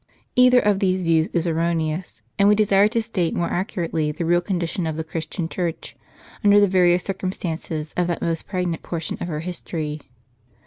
Either of these views is erroneous ; and we desire to state more accurately the real condition of the Christian Church, under the various circumstances of that most pregnant portion of her history.